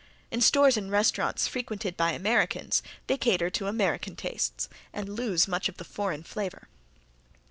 In stores and restaurants frequented by Americans they cater to American tastes and lose much of the foreign flavor.